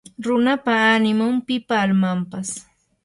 runapa animun; pipa almanpas